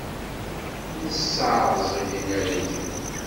Nesseɛẓeg inaragen.